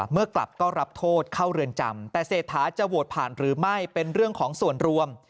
เมื่อกลับก็รับโทษเข้าเรือนจำแต่เศรษฐาจะโหวตผ่านหรือไม่เป็นเรื่องของส่วนรวม